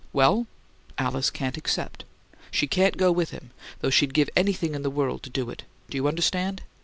Well, Alice can't accept. She can't go with him, though she'd give anything in the world to do it. Do you understand?